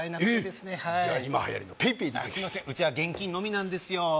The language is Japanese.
じゃあ今はやりのＰａｙＰａｙですいませんうちは現金のみなんですよ